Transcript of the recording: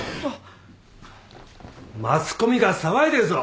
マスコミが騒いでるぞ。